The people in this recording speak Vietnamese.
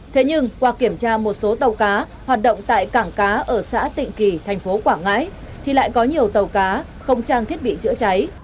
thế nhưng qua kiểm tra một số tàu cá hoạt động tại cảng cá ở xã tịnh kỳ thành phố quảng ngãi thì lại có nhiều tàu cá không trang thiết bị chữa cháy